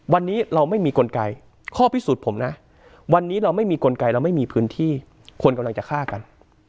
วันนี้เราไม่มีกลไกข้อพิสูจน์ผมนะวันนี้เราไม่มีกลไกเราไม่มีพื้นที่คนกำลังจะฆ่ากัน